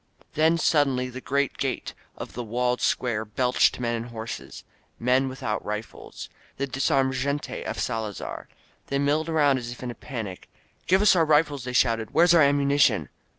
Then suddenly the great gate of the walled square belched men and horses — ^men without rifles. The dis armed gente of Salazar! They milled around as if in a panic. "Give us our rifles !" they shouted. "Where's our ammunition?"